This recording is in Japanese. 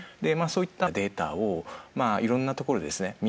そういったデータをいろんなところでですね